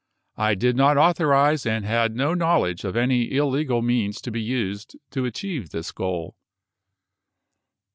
I did not authorize and had no knowledge of any illegal means to be used to achieve this goal.